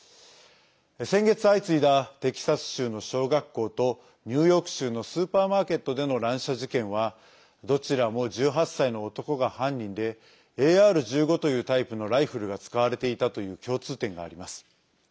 先月、相次いだテキサス州の小学校とニューヨーク州のスーパーマーケットでの乱射事件はどちらも、１８歳の男が犯人でＡＲ１５というタイプのライフルが使われていたという共通点があります。